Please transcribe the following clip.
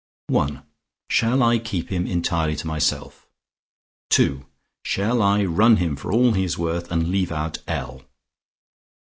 "(I) Shall I keep him entirely to myself? "(II) Shall I run him for all he is worth, and leave out L?